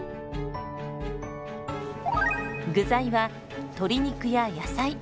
具材は鶏肉や野菜。